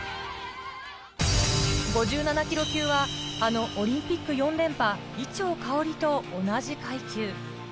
５７ｋｇ級はあのオリンピック４連覇、伊調馨と同じ階級。